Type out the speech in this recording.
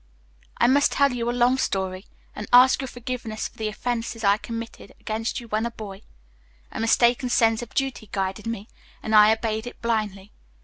"I must tell you a long story, and ask your forgiveness for the offenses I committed against you when a boy. A mistaken sense of duty guided me, and I obeyed it blindly.